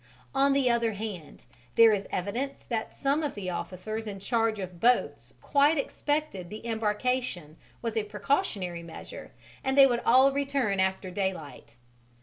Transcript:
On the other hand, there is evidence that some of the officers in charge of boats quite expected the embarkation was a precautionary measure and they would all return after daylight.